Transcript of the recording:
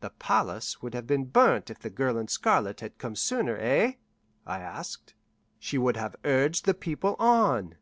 "The palace would have been burnt if the girl in scarlet had come sooner eh?" I asked. "She would have urged the people on?"